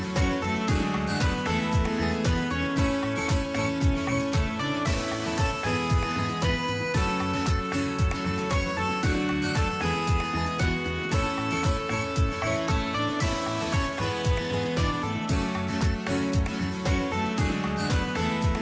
สวัสดีครับ